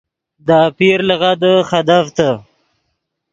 دے آپیر لغدے خدیڤتے